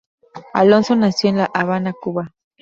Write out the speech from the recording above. Alonso nació en La Habana, Cuba.